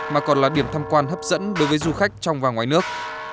mà còn là điểm tham quan hấp dẫn đối với du khách trong và ngoài nước